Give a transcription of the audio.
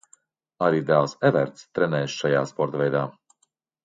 Arī dēls Everts trenējas šajā sporta veidā.